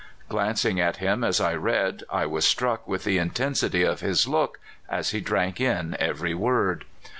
Glancing at him as I read, I was struck with the intensity of his look as he drank in every word.